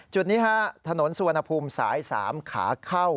จุดนี้ฮะถนนสุวรรณภูมิสาย๓ขาเข้า